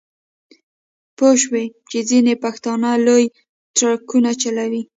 پوی شوم چې ځینې پښتانه لوی ټرکونه چلوي.